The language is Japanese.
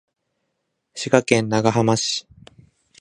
滋賀県長浜市